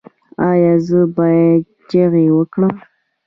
ایا زه باید چیغې وکړم؟